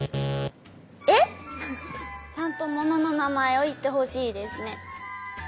えっ？ちゃんとものの名まえをいってほしいですね。